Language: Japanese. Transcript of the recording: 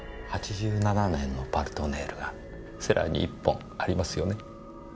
８７年の「パルトネール」がセラーに１本ありますよね？